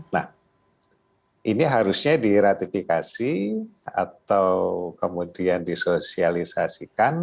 nah ini harusnya diratifikasi atau kemudian disosialisasikan